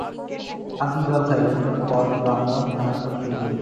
কান্তি জল খাইলে পর ব্রাহ্মণ তাঁহার পরিচয় লইলেন।